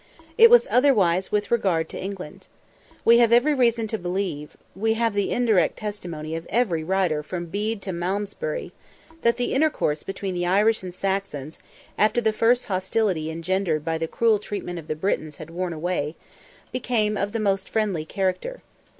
It was otherwise with regard to England. We have every reason to believe—we have the indirect testimony of every writer from Bede to Malmsbury—that the intercourse between the Irish and Saxons, after the first hostility engendered by the cruel treatment of the Britons had worn away, became of the most friendly character.